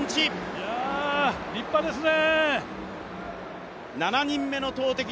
いや、立派ですね。